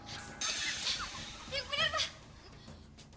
ya bener pak